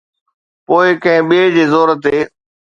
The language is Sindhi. پوءِ ڪنهن ٻئي جي زور تي.